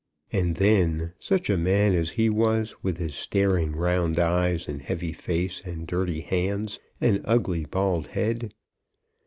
And then such a man as he was, with his staring round eyes, and heavy face, and dirty hands, and ugly bald head!